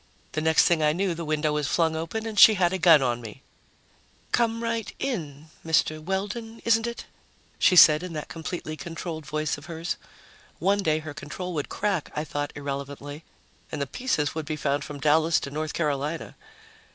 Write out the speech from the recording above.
The next thing I knew, the window was flung up and she had a gun on me. "Come right in Mr. Weldon, isn't it?" she said in that completely controlled voice of hers. One day her control would crack, I thought irrelevantly, and the pieces would be found from Dallas to North Carolina.